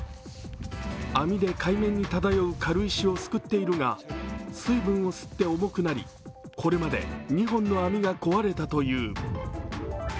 網で海面に漂う軽石をすくっているが水分を吸って重くなり、これまで２本の網が壊れたという。